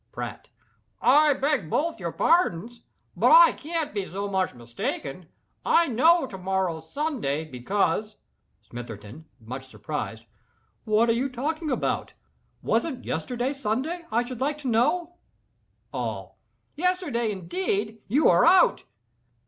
PRATT. "I beg both your pardons—but I can't be so much mistaken. I know to morrow's Sunday, because " SMITHERTON. (Much surprised.) "What are you all thinking about? Wasn't yesterday, Sunday, I should like to know?" ALL. "Yesterday indeed! you are out!"